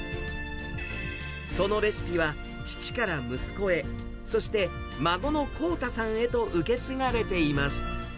そのレシピは父から息子へ、そして孫の航太さんへと受け継がれています。